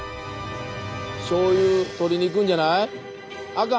しょうゆ取りに行くんじゃない？あかん！